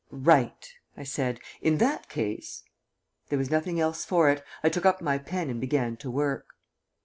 "Right," I said. "In that case " There was nothing else for it; I took up my pen and began to work.